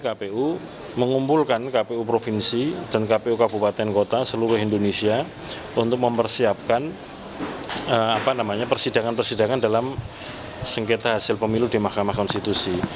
kpu mengumpulkan kpu provinsi dan kpu kabupaten kota seluruh indonesia untuk mempersiapkan persidangan persidangan dalam sengketa hasil pemilu di mahkamah konstitusi